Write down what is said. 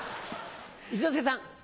一之輔さん。